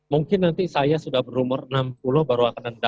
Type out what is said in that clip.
mungkin nanti saya sudah berumur enam puluh